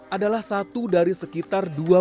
adalah satu dari sekitar